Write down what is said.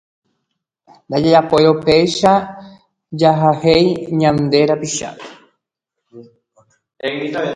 Ndajajapóirõ upéicha jajahéi ñande rapicháre.